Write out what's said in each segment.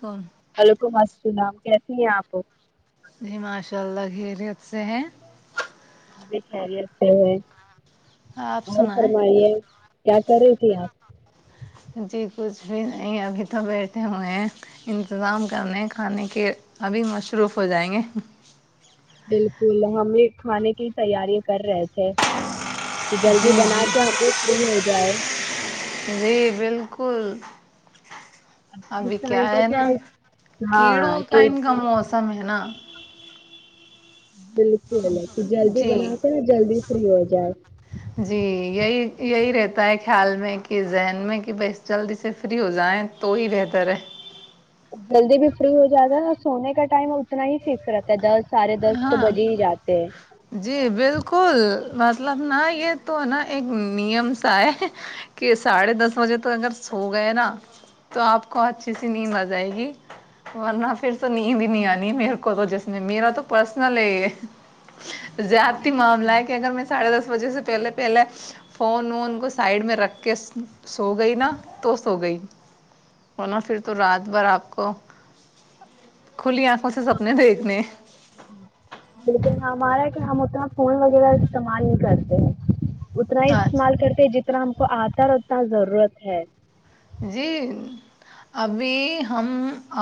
کون وعلیکم السلام کیسی ہیں آپ جی ماشاء اللہ گھیریت سے ہیں آ بھی کیریئر سے ہوئے آپ آ سنائیں فرمائیے کیا کر رہی تھی آپ جی کچھ بھی نہیں ابھی تو بیٹھے ہوئے ہیں انتظام کرنے کھانے کے ابھی مصروف ہو جائیں گے بالکل ہم یہ کھانے کی تیارییا کر رہے تھے کہ جلدی جی بنا کے جی ہم بھی فی ہو جائے [unintelligible] جی بالکل [unintelligible] اب اس ابھی کیا ٹائم پر ہے نا ہاں کیڑوں کا کہ ان کام موسم ہے نا [unintelligible] بالکل نہیں تو جلدی جی بناتے نا جلدی فری ہو جائے جی [unintelligible] یہی یہی رہتا ہے خیال میں کہ ذہن میں کہ بس جلدی سے فری ہو جائیں تو ہی بہتر ہے جلدی بھی فری ہو جاتا ہے اور سونے کا ٹائم اتنا ہی فکس رہتا ہے در ہاں جی بالکل [unintelligible] مطلب نا یہ تو نا ایک نیم سا ہے کہ ساڑھے دس بجے تو اگر سو گئے نا تو آپ کو اچھی سی نیند آ جائے گی ورنہ پھر تو نیند ہی نہیں آنی میرے کو تو جس نے میرا تو پرسنلے [unintelligible] زیادتی معاملہ ہے کہ اگر میں ساڑھے دس بجے سے پہلے پہلے فون وون کو سائڈ میں رکھ کے سو گئی نا تو سو گئی اور ن پھر تو رات بھر آپ کو کھلی آنکھوں سے سپنے دیکھنے لیکن ہمارا کہ ہم اتنا فون وغیرہ استعمال نہیں کرتے ہیں اتنا ہی آج استعمال کرتے ج ار ہم کو آتا رہنا ضرورت ہے جی ابھی ہم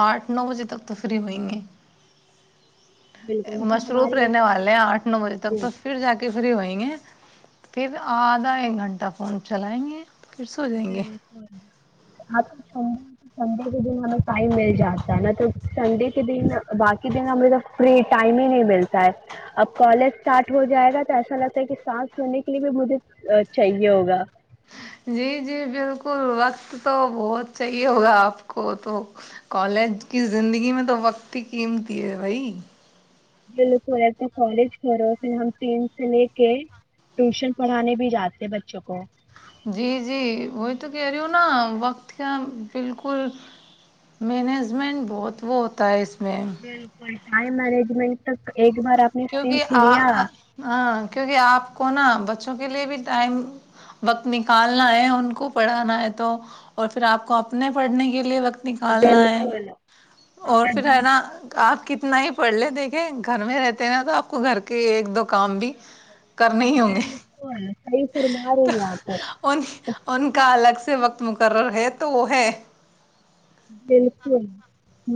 آٹھ نو بجے تک تو فری ہوئیں گے بالکل مطلب مصروف ہماری ایک رہنے والے ہیں آٹھ نو بجے تک جی تو پھر جا کے فری وہیں ہیں پھر آدھا ایک گھنٹہ فون چلائیں گے پھر سو جائیں گے بکل آپ سنڈے سنڈے کے دن ہمیں ٹائم مل جاتا ہے ن تو سنڈے کے دن باقی دن ہم تو فری ٹائم ہی نہیں ملتا ہے اب کالج اسٹارٹ ہو جائے گا تو ایسا لگتا ہے کہ سانس سونے کے لیے بھی مجھے چاہیے ہوگا جی جی بالکل وقت تو بہت چاہیے ہوگا آپ کو تو کالج کی زندگی میں تو وقت ہی قیمتی ہے بھائی ل رہ کالج کرو پھر ہم تین سے لے کے ٹیوشن پڑھانے بھی جاتے بچوں کو جی جی وہی تو کہہ رہی ہ نا وقت کا بالکل مینجمنٹ بہت وہ ہوتا ہے اس میں بالکل [unintelligible] ٹائم مارنیجمنٹ تک ایک بار آپ نے کیونکہ سیکھ آ لیا ہ کیونکہ آپ کو نا بچوں کے لیے بھی ٹائم وقت نکالنا ہے ان کو پڑھانا ہے تو اور پھر آپ کو اپنے پڑھنے کے لیے وقت نکالنا ہے بالکل اور پھر ہے نا آپ کے کتنا ہی پڑھ لے دیکھے گھر میں رہتے نا تو آپ کو گھر کے ایک دو کام بھی [unintelligible] ہوں گے بالکل صحیح فرما رہی یہاں پ ان [unintelligible] ان کا الگ سے وقت مقرر ہے تو وہ ہے [unintelligible] بالکل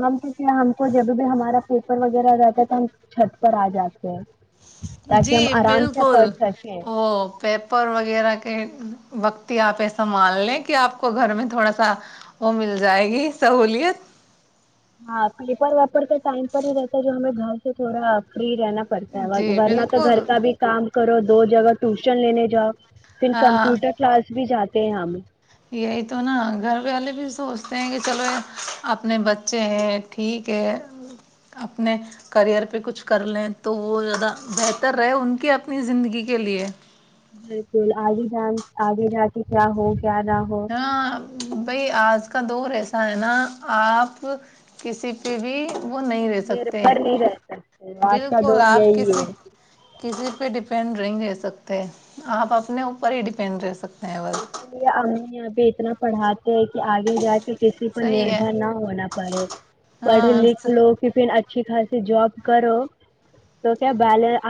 ہم تو کیا ہم کو جب بھی ہمارا پیپر وغیرہ ہو جاتا ہے تو ہم چھت پر آ جاتے ہیں تاکہ جی ہم آرام سے بالکل پڑھ سکیں وہ پیپر وغیرہ کے [unintelligible] وقت ہی آپ ایسا مان لیں کہ آپ کو گھر میں تھوڑا سا وہ مل جائے گی سہولیت ہاں پیپر ویپر تو ٹائم پر ہی رہتا ہے جو ہمیں گھر سے تھوڑا فری جا پڑتا ہے جی ورنہ تو گھر بالکل کا بھی کام کرو [unintelligible] دو جگہ ٹیوشن لینے جا [unintelligible] پن ہاں کمپیوٹر کلاس بھی جاتی پ ہم ہم [unintelligible] یہی تو نا گھر والے بھی سوچتے ہیں کہ چلو اپنے بچے ہیں ٹھیک ہے اپنے کریئر پہ کچھ کر لیں تو وہ زیادہ بہتر رہے ان کی اپنی زندگی کے لے بالکل آگے جان آگے جا کے کیا ہو کیا نہ ہو ہاں بئی آج کا د ایسا ہے نا آپ کسی پہ بھی وہ نہیں رہ میرے سکتے بھر نہیں رہ سکتے آج کا بالکل دون آپ یہی کسی ہے [unintelligible] کسی پہ ڈپینڈ نہیں رہ سکتے آپ اپنے اوپر ہی ڈیپینڈ رہ سکتے ہیں بس اس امی بیچ [unintelligible] اتنا پڑھا [unintelligible] کہ آگے جا کے کسی پر صحیح ہے نربھر نہ ہونا پڑے پڑھ ہاں لکھ لو کہ پھر اچا اچھی خاص جاب کرو تو کیا ب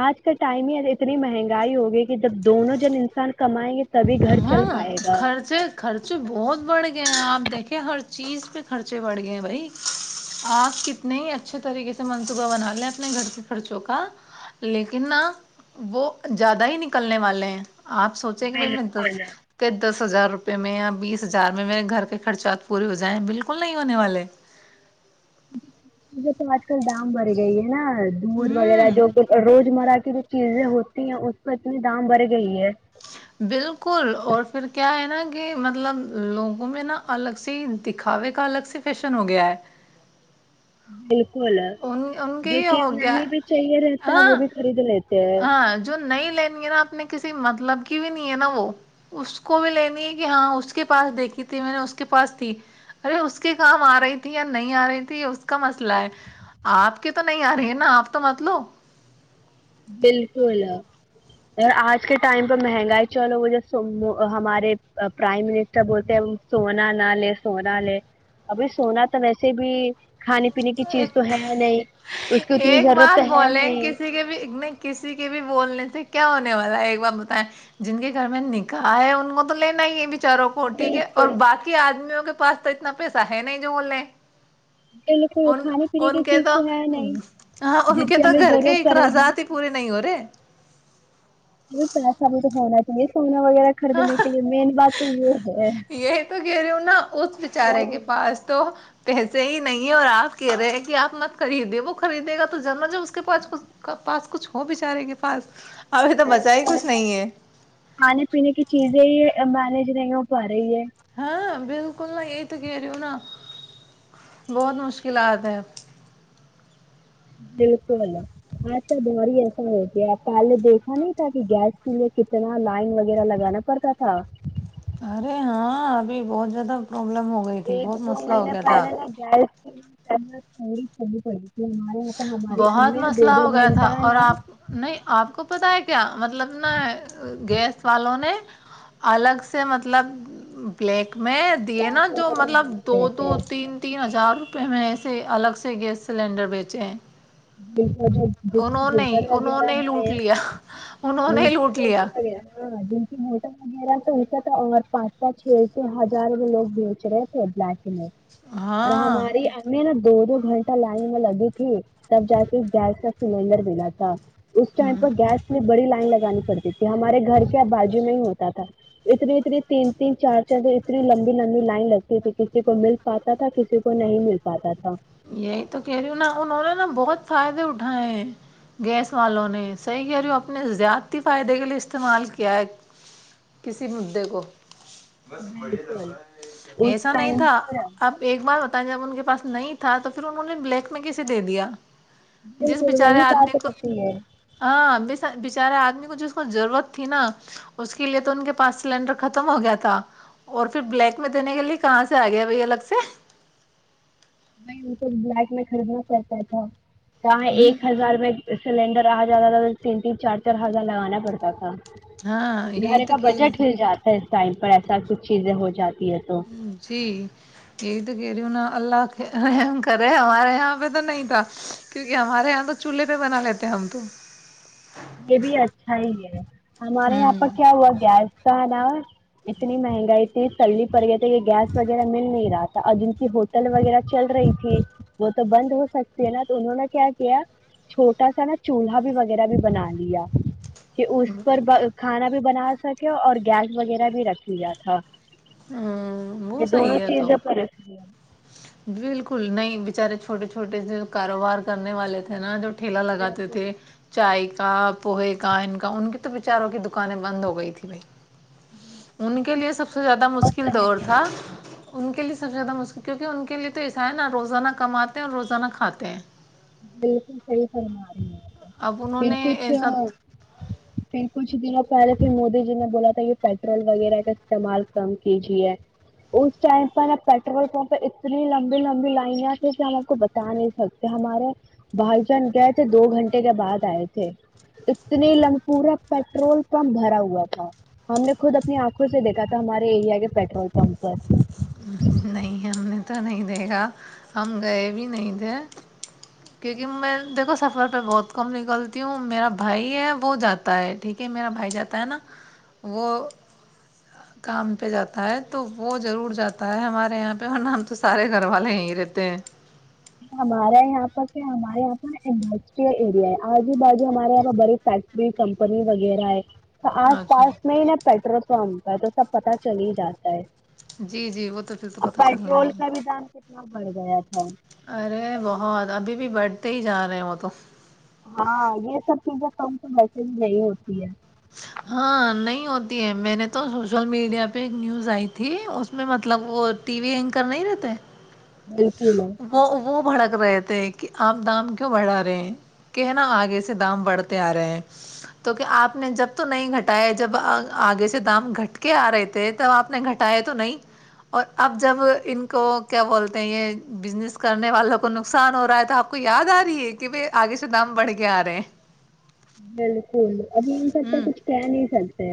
آج کا ٹائم ہی اتنی مہنگائی ہوگی کہ جب دونوں جن انسان کمائیں گے تبھی گھر چل ہاں پائے گا خرچے خرچے بہت بڑھے گ آپ دیکھے ہر چیز پہ خرچے بڑھ گئے بھائی آپ کتنے ہی اچھے طریقے سے منصوبہ بنا لیں اپنے گھر کے خرچوں کا لیکن نا وہ زیادہ ہی نکلنے والے ہیں آپ سوچیں کہ بھائی میں [unintelligible] بالکل س کدر [unintelligible] دس ہزار روپئے میں یا بیس ہزار میں میرے گھر کے خرچات پورے ہو جائیں بالکل نہیں ہونے والے تو آج کل دام بڑھ گئی ہے [unintelligible] نا دودھ وغیرہ ہوں جو روز مرہ کی چیزیں ہوتی ہیں اس پر اتنی دام بڑھ گئی ہے بالکل اور پھر کیا ہے نا کہ مطلب لوگوں میں نا الگ سے دکھاوے کا الگ سے فیشن ہو گیا ہے جی [unintelligible] ک ان ان کے جو یہ چیز ہو گیا ہے نہیں بھی چاہیے رہتا وہ ہاں بھی خرید لیتا ہاں جو نہیں لینی ہے نا اپنے کسی مطلب کی بھی نہیں ہے نا وہ اس کو بھی لینی ہے کہ ہاں اس کے پاس دیکھی تھی میں نے اس کے پاس تھی ارے اس کے کام آ رہی تھی یا نہیں آ رہی تھی یہ اس کا مسئلہ ہے آپ کی تو نہیں آ رہی ہے نا آپ تو مت لو بالکل اور آج کے ٹائم پہ مہنگائی چلو وہ جو ہمارے پرائم منسٹر بولتے ہیں سونا نہ لے سونا لے ابھی سونا تو ویسے بھی کھانے پینے کی چیز تو ہے نہیں اس کی اتنی ایک ضرورت تو بات ہے بولیں نہیں کسی کے بھی کسی کے بھی بولنے سے کیا ہونے والا ہے ایک بار بتائیں جن کے گھر میں نکاح ہے ان کو تو لینا ہی ہے بھی چاروں کو ٹھیک ہے اور بالکل باقی آدمیوں کو کے پاس تو اتنا پیسہ ہے نہیں جو بول لیں بالکل وہ ان کھانے پینے ان کی کے چیز تو ہے نہیں ہاں ان جن کے کی تو ہمیں گھر کے ضرورت پڑے گی اخراجات ہی پورے نہیں ہو رہے [inaudible] ا سر سب تو ہونا چاہیے س [unintelligible] وغیرہ ہاں خریدنے کے لیے مین بات تو یہ ہے یہی تو کہہ رہی ہ ہووں نا اس بیچارے کے ہے پاس تو پیسے ہی نہیں اور آپ کہہ رہے ہیں کہ آپ مت خریدیں وہ خریدے گا تو جانا جب اس کے پاس پاس کچھ ہو بےچارے کے پاس ابھی تو بچا ہی کچھ نہیں ہے کھانے پینے کی چیزیں یہ [unintelligible] م نےج نہیں وہ پا رہی ہے ہاں بالکل نہ یہی تو کہہ رہی ہوں نا بہت مشکلات ہے بالکل آج کا باری ایسا ہو گ آپ پہلے دیکھا نہیں تھا کہ گیس کے لیے کتنا لائن وغیرہ لگانا پڑتا تھا ارے ہاں ابھی بہت زیادہ پرابلم ہو گئی تھی ایک بہت دو مسئلہ مہین ہو گیا تھا پہلے نہ جائے ت ہما کوکور چولی پڑیے بہت مسئلہ ہو گیا تھا گھنٹہ اور نا آپ نہیں آپ کو پت ہے کیا مطلب نا گیس والوں نے ال الگ سے مطلب بلیک میں دیے گیس نا جو وغیرہ مطلب دو دیکھتے رہتے دو ہیں تین تین ہزار روپئے میں ایے الگ سے گیس سلینڈر بیچ چھ [unintelligible] جس جگر انہوں وغیرہ نے ہی لوٹ ہے لیا ج انہوں نے ہی کی لوٹ بٹل لیا وغیرہ ہاں جن کی موٹر وغیرہ تو ان کا تھا اور پانچو چھ سے ہزارو لوگ بیچ رہے تھے بلیک اینڈ وائٹ اور ہاں ہماری ایں نا دو دو گھنٹا لائن میں لگی تھی تب جا کے گیس کا سلینڈر ملا تھا اس ٹائنڈ پر ہ گس بڑی لائن لگی انی پڑتی تھی ہمارے گھر کے ا بازو میں ہوتا تھا اتنی اتنی تین تین چار چار د اتنی لمبی لمبی لائن لگتی تھی کسی کو مل پاتا تھا کسی کو نہیں مل پاتا تھا یہی تو کہہ رہی ہوں نا انہوں نا بہت فائدے اٹھائے ہیں گیس والوں نے صحیح کہہ رہی ہوں اپنے زیادتی فائدے کے لیے استعمال کیا ہے کسی مدے کو بالکل اس ایسا نہیں ٹائم تھا پر اب ایک بار جب ان کے پاس نہیں تھا تو پھر انہوں نے بلیک میں کیسے دے دیا جس بالکل بچارے وہی آدمی بات کو رہتی ہے ہاں بچارے آدمی کو جس کو ضرورت تھی نا اس کے لیے تو ان کے پاس سلینڈر ختم ہو گیا تھا اور پھر بلیک میں دینے کے لیے کہاں سے آ گیا بائی الگ سے ب ان کو بلائیک میں خریدنا پڑتا تھا کہاں ہوں، ایک ہزار میں [unintelligible] سلینڈر آج زد زیادہ تین تین چار چار ہزار لگانا پڑتا تھا ہاں یہی گھر تو کا کہہ رہی بجٹ ہل جاتا ہے ٹائم پر ایسا کچھ چیزیں ہو جاتای [unintelligible] جی یہ تو یا اللہ کرے ہمارے یہاں پہ تو نہیں تھا کیونکہ ہمارے یہاں تو چولہے پہ بنا لیتے ہم تو یہ بھی اچھا ہی ہے ہمارے یہاں پر ہوں کیا ہوا گیس کا ہے اتنی مہنگائی تھی سللی پڑ گئے تھے یہ گیس وغیرہ مل نہیں رہا تھا ا جن کی ہوٹل وغیرہ چل رہی تھی وہ تو بند ہو سکتی ہے نا تو انہوں نے کیا کیا چھوٹا سا نا چولہا بھی وغیرہ بھی بناا آ گیا [unintelligible] کہ اس پر کھانا [unintelligible] بھی بنا سکے اور گیس وغیرہ بھی رکھ لیا تھا ا وہ دونوں صحیح ہے چیز تو پرس دیا بالکل نہیں بچارے چھوٹے چھوٹے جو کاروبار کرنے والے تھے نا جو ٹھیلا لگاتے بالکل تھے چائے کا پوہے کا ان کا ان کی تو بیچاروں کی دکانیں بند ہو گئی تھھی بھائی ان کے لیے سب سے زیادہ مشکل دور تھا ان کے لیے سب سے زیادہ مشکل کیونکہ ان کے لیے تو ایسا ہے نا روزانہ کماتے ہیں اور روزانہ کاتے ہے بالکل صحیح فرما رہی ہیں اب انہوں پھر نے کچھ ایسا پھر کچھ دنوں پہلے پھر مودی جی نے بولا تھا یہ پیٹرول وغیرہ کا استعمال کم کیجی ہے اس ٹائم پر اب پیٹرول پمپ اتنی لمبی لمبی لائنیاں تھ کہ ہم آپ کو بتا نہیں سکتے ہمارے بھائی جان گئے تھے دو گھنٹے کے بعد آئے تھے اتنے لم پورا پیٹرول پمپ بھرا ہوا تھا ہم نے خود اپنی آنکھوں سے دیکھا تھا ہمارے ایریا کے پیٹرول پمپ پر ا [inaudible] تو نہیں دے گا ہم گئے بھی نہیں ٹھی کیونکہ میں دیکھو سفر پہ بہت کم نکلتی ہوں میرا بھائی ہے وہ جاتا ہے ٹھیک ہے میرا بھائی جاتا ہے نا وہ کام پہ جاتا ہے تو وہ ضرور جاتا ہے ہمارے یہاں پہ اور نا ہم تو سارے گھر والے یہ ہی رہتے ہے ہمارا یہاں پر کیا ہمارے یہاں پر انڈسٹریل ایریا ہے آجو باازو ہمارے یہاں پ بڑی فیکٹری کمپنی وغیرہ ہے تو آس اچھا پاس میں ہی نا پیٹرول پمپ تو سب پتا چل ہی جاتا ہے جی جی وہ تو پھر تو پت چلنا ہے پڑ گیا تھا ارے بہت ابھی بھی بڑھتے ہی جا رہے ہو تو ہاں یہ سب چیزیں کم تو ویسے بھی نہیںی ہوتی ہے ہاں نہیں ہوتی ہے میں نے تو سوشل میڈیا پہ ایک نیوز آئی تھی اس میں مطلب وہ ٹی وی اینکر نہیں رہتے بالکل ہے وہ وہ بڑا رہے تھے کہ آپ دام کیوں بڑھا رہے ہیں کہ ن آگے سے دام بڑھتے آ رہے ہیں تو کیا آپ نے جب تو نہیں گھٹاائے جب آگے سے دام گھٹ کے آ رہے تھے تب آپ نے گھٹاائے تو نہیں اور اب جب ان کو کیا بولتے ہیں یہ بزنس کرنے والوں کو نقصان ہو رہا ہے تو آپ کو یاد آ رہی ہے کہ بائی آگے سے دام بڑھ کے آ رہے بالکل ابھی ان سب کا ہوں کچھ کیا نہیں سک سی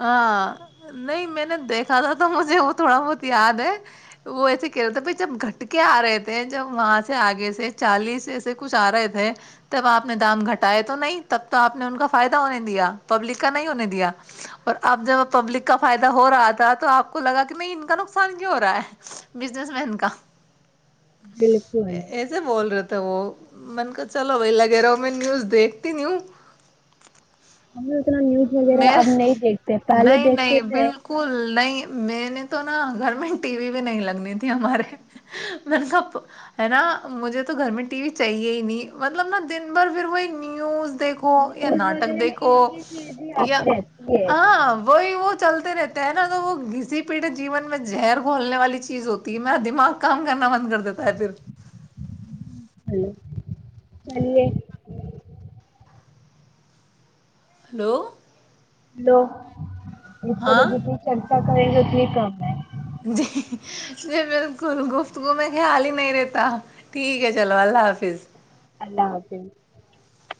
ہاں نہیں میں نے دیکھا تھا تو مجھے وہ تھوڑا بہت یاد ہے وہ ایسے کہہ رہے تھے بائی جب گھٹکے آ رہے تھے جب وہاں سے آگے سے چالیس ایسے کچھ آ رہے تھے تب آپ نے دام گھٹائے تو نہیں تب تو آپ نے ان کا فائدہ ہونے دیا پبلک کا نہیں ہونے دیا اور اب جب پبلک کا فائدہ ہو رہا تھا تو آپ کو لگا کہ نہیں ان کا نقصان کیوں ہو رہا ہے بزنس مین کا بالکل ایسے بول رہے تھ تو وہ من کو چلو بی لگے رہا ہ میں نیوز دیکھتی نہیں ہوں ہمیں اتنا نیوز وغیرہ میرا اب نہیں دیکھتے پہلے نہیں ہیں دیکھتے تھے بالکل نہیں میں نے تو نا گھر میں ٹی وی بھی نہیں لگنی تھی ہمارے مط نے س ہے نا مجھے تو گھر میں ٹی وی چاہیے ہی نہیں مطلب نا دن بھر پھر وہی نیوز دیکھو یا نیوز ناٹک وغیرہ میں دیکھو ایک ہی چیز ہی یا آتی رہتی ہاں وحی وہ چلتے رہتے نا تو وہ کسی پیڑ جین میں جہر کھولنے والی چیز ہوتی ہے میرا دماغ کام کرنا بند کر دیتا ہے پھر چلے [unintelligible] ہلو دو [unintelligible] اس پ ہاں جتنی چرچا کریں گے [unintelligible] ک کر [unintelligible] جی یہ بالکل گفتگو میں خیال ہی نہیں رہتا ٹھیک ہے چلو اللہ حافظ اللہ حافظ [unintelligible]